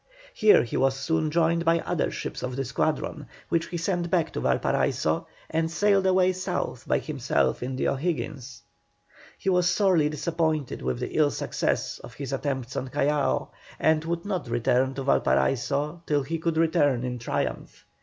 Here he was soon joined by other ships of the squadron, which he sent back to Valparaiso, and sailed away south by himself in the O'Higgins. He was sorely disappointed with the ill success of his attempts on Callao, and would not return to Valparaiso till he could return in triumph.